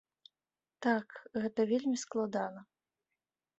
Так, гэта вельмі складана.